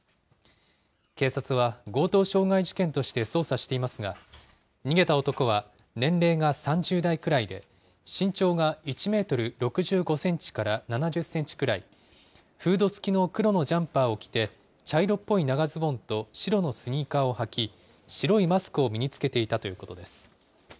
警察は強盗傷害事件として捜査していますが、逃げた男は年齢が３０代くらいで、身長が１メートル６５センチから７０センチくらい、フード付きの黒のジャンパーを着て、茶色っぽい長ズボンと白のスニーカーを履き、白いマスクを身に着けていたということです。